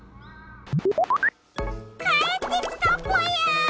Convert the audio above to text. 帰ってきたぽよ！